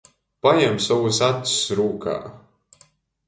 Pajem sovys acs rūkā!